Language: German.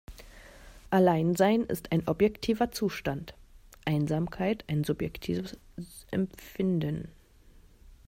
Alleinsein ist ein objektiver Zustand, Einsamkeit ein subjektives Empfinden.